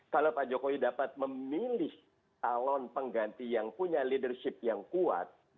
kalau pak jokowi dapat memilih talon pengganti yang punya leadership yang kuat